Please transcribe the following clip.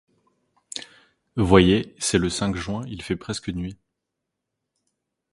Voyez, c'est le cinq juin, il fait presque nuit.